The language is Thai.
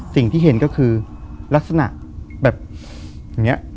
สิ่งที่เห็นก็คือลักษณะแบบอย่างนี้